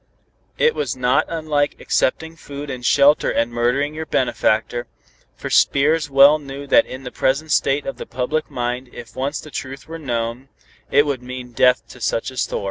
It was not unlike accepting food and shelter and murdering your benefactor, for Spears well knew that in the present state of the public mind if once the truth were known, it would mean death to such as Thor.